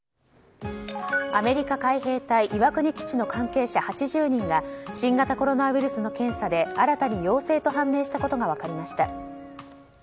アメリカ海兵隊岩国基地の関係者８０人が新型コロナウイルスの検査で新たに陽性と判明したことが分かりました。